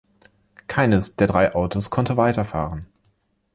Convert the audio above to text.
Keines der drei Autos konnte weiterfahren.